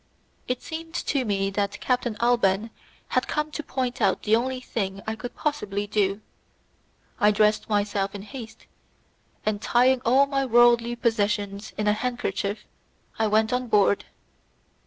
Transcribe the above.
It seemed to me that Captain Alban had come to point out the only thing I could possibly do; I dressed myself in haste, and tying all my worldly possessions in a handkerchief I went on board.